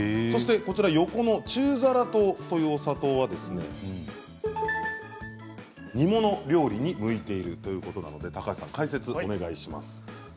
そして、横の中ざら糖というお砂糖は煮物料理に向いているということなので高橋さん解説をお願いします。